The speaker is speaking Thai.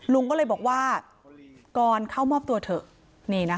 ลุงก็เลยบอกว่ากรเข้ามอบตัวเถอะ